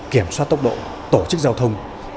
kiểm soát tốc độ tổ chức giao thông